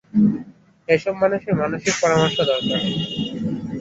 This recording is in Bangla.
এসব মানুষের মানসিক পরামর্শ দরকার।